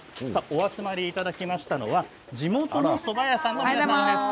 お集まりいただきましたのは地元の、そば屋さんです。